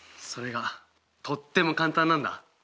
それがとっても簡単なんだ。